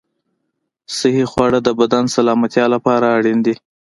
صحي خواړه د بدن سلامتیا لپاره اړین دي.